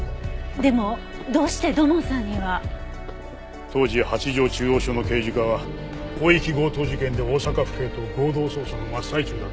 でもどうして土門さんには？当時八条中央署の刑事課は広域強盗事件で大阪府警と合同捜査の真っ最中だったはずだ。